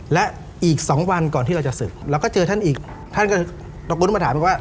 และอีก๒วันก่อนที่เราจะศึกเราก็เจอท่านอีกท่านก็ตระกุ้นมาถามว่า